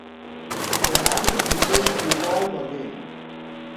The handle began to revolve again.